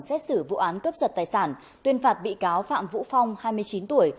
xét xử vụ án cướp giật tài sản tuyên phạt bị cáo phạm vũ phong hai mươi chín tuổi